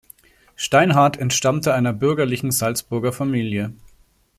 Steinhart entstammte einer bürgerlichen Salzburger Familie.